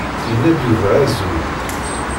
Yenna-d Yuba azul.